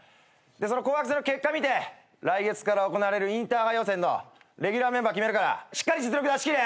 でその紅白戦の結果見て来月から行われるインターハイ予選のレギュラーメンバー決めるからしっかり実力出しきれ。